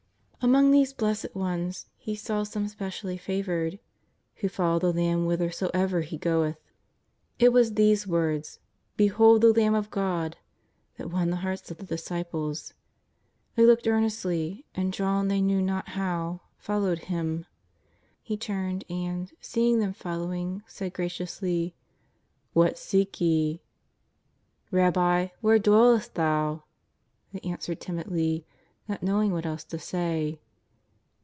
Among these blessed ones he saw some specially favoured '' who follow the Lamb whithersoever Hr goeth." It was these words :^' Behold the Lamb of God," that won the hearts of the disciples. They looked earnestly, and drawn they knew not how, followed Him. He turned and, seeing them following, said graciously :'' What seek you ?"" Rabbi, where dwellest Thou ?" they answered tim idly, not knowing what else to say.